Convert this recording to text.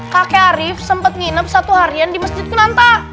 kakek arief sempat nginap satu harian di masjid kunanta